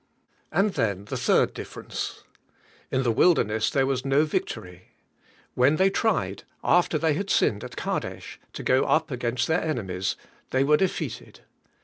And then, the third difference: In the wilder ness there was no victory. When they tried, after they had sinned at Kadesh, to go up against their enemies, they were defeated.